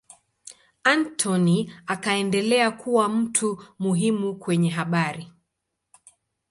Anthony akaendelea kuwa mtu muhimu kwenye habari.